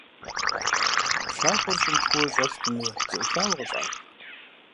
Пшахъуэр щӀым куууэ щӀэлъкъыми зэӀухауэ къыщӀах.